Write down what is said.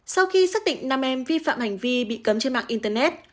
sau khi xác định năm em vi phạm hành vi bị cấm trên mạng internet